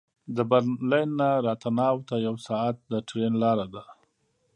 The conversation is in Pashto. د برلین نه راتناو ته یو ساعت د ټرېن لاره ده